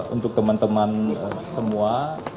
untuk teman teman semua